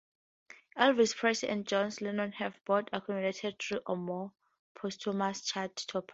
Elvis Presley and John Lennon have both accumulated three or more posthumous chart toppers.